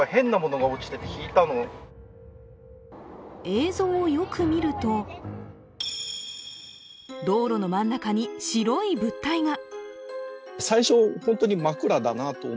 映像をよく見ると道路の真ん中に白い物体が。